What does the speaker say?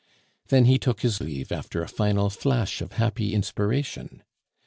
Then he took his leave after a final flash of happy inspiration.